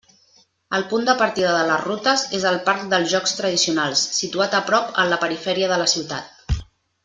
El punt de partida de les rutes és el parc dels Jocs Tradicionals, situat a prop en la perifèria de la ciutat.